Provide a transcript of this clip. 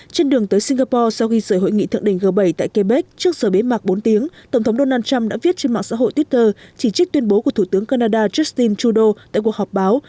trên đường tới singapore sau khi rời hội nghị thượng đỉnh g bảy tại quebec trước giờ bếp mạc bốn tiếng tổng thống donald trump đã viết trên mạng xã hội twitter chỉ trích tuyên bố của thủ tướng canada justin trudeau